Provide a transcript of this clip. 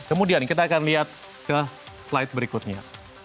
kemudian kita akan lihat ke slide berikutnya